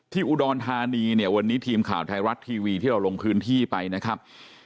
อุดรธานีเนี่ยวันนี้ทีมข่าวไทยรัฐทีวีที่เราลงพื้นที่ไปนะครับ